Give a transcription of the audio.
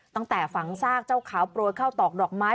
ตั้งแต่ฝังทราษกเจ้าเขาโปรดเข้าเตาะดอกไม้